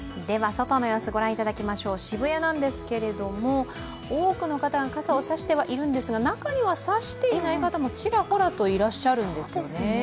外の様子、御覧いただきましょう渋谷なんですけど多くの方が傘を差してはいるんですが、中には差していない方もちらほらいらっしゃる。